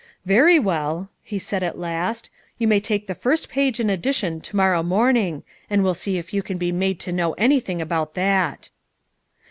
"Very well," he said at last; "you may take the first page in addition to morrow morning, and we'll see if you can be made to know anything about that."